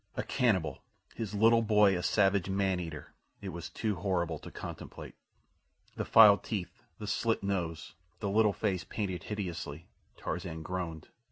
A cannibal! His little boy a savage man eater! It was too horrible to contemplate. The filed teeth, the slit nose, the little face painted hideously. Tarzan groaned.